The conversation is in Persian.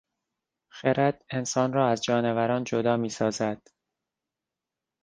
خرد انسان را از جانوران جدا میسازد.